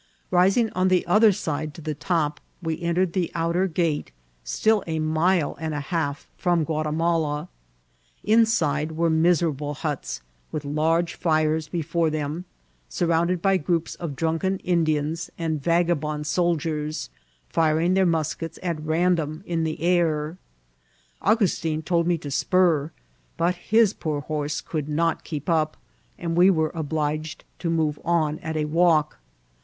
Rising on the other side to the top, we entered the out er gate, still a mile and a half from Guatimala. Inside were miserable huts, with large fires before them, sur rounded by groups of drunken Indians aiul vagabond iloldiers, firing their muskets at random in the air. Au gustin told me to spur ; but his poor horse could not keep up, and we were obliged to move on at a walk.